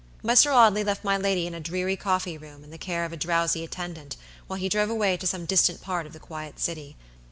Mr. Audley left my lady in a dreary coffee room in the care of a drowsy attendant while he drove away to some distant part of the quiet city.